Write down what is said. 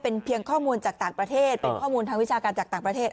เป็นเพียงข้อมูลจากต่างประเทศเป็นข้อมูลทางวิชาการจากต่างประเทศ